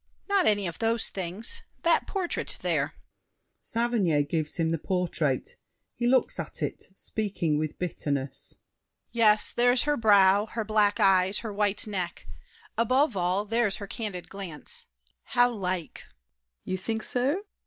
DIDIER. Not any of those things. That portrait there! [Saverny gives him the portrait; he looks at it, speaking with bitterness. Yes, there's her brow, her black eyes, her white neck; Above all, there's her candid glance! How like! SAVERNY. You think so? DIDIER.